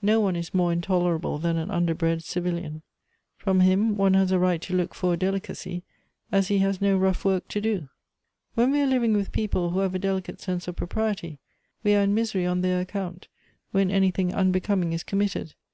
"No one is more intolerable than an underbred civil ian. From him one has a right to look for a delicacy, as he has no rough work to do. " When we are living with people who have a delicate sense of propriety, we are in misery on their account when anything unbecoming is committed.